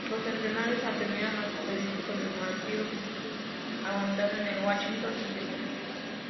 Los centenares atendieron un servicio conmemorativo que estuvo aguantado en el Washington Sociedad Ética.